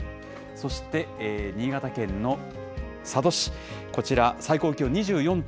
そして、新潟県の佐渡市、こちら、最高気温２４．４度。